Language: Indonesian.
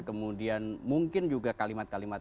kemudian mungkin juga kalimat kalimat